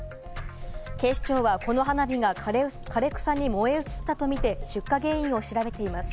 警視庁はこの花火が枯れ草に燃え移ったとみて出火原因を調べています。